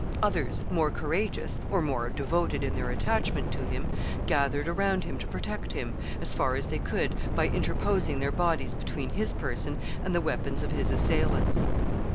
Others, more courageous, or more devoted in their attachment to him, gathered around him to protect him, as far as they could, by interposing their bodies between his person and the weapons of his assailants.